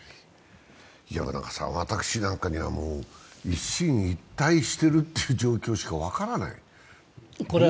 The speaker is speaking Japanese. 私なんかにはもう、一進一退してるという状況しか分からない。